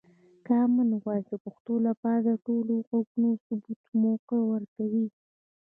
کامن وایس د پښتو لپاره د ټولو غږونو ثبتولو موقع ورکوي.